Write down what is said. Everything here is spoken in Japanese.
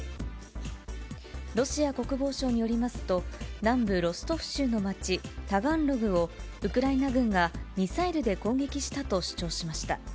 ロシア国防省によりますと、南部ロストフ州の街、タガンログを、ウクライナ軍がミサイルで攻撃したと主張しました。